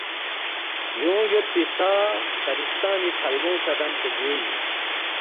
یونگ یودپی سا پرِستانی تھلبونگ سہ دمسے گوے اِن